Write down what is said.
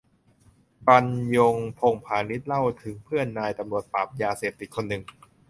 บรรยง พงษ์พานิช เล่าถึงเพื่อนนายตำรวจปราบยาเสพติดคนหนึ่ง